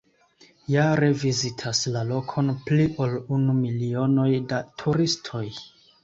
Jare vizitas la lokon pli ol unu milionoj da turistoj.